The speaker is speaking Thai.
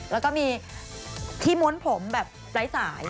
แล้วก็มีที่ม้วนผมแบบไร้สาย